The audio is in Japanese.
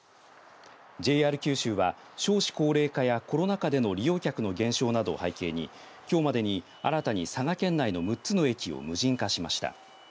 ＪＲ九州は少子高齢化やコロナ禍での利用客の減少などを背景にきょうまでに新たに佐賀県内の６つの駅を無人化しました。